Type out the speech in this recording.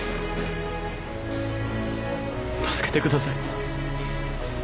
助けてください。